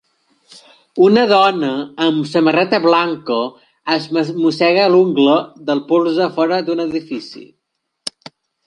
Una dona amb samarreta blanca es mossega l'ungla del polze fora d'un edifici.